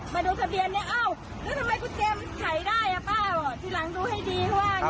ขอโทษด้วยนะคะ